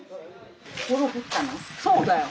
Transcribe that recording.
そうだよ。